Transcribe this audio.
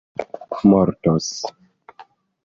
mortos